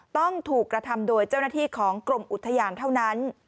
ต้องถูกกระทำโดยเจ้าหน้าที่ของกรมอุทยานเท่านั้น